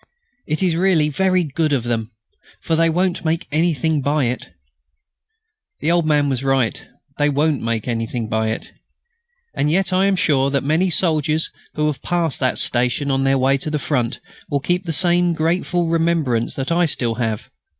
It is really very good of them, for they won't make anything by it." The old working man was right: "They won't make anything by it." And yet I am sure that many soldiers who have passed that station on their way to the Front will keep the same grateful remembrance that I still have.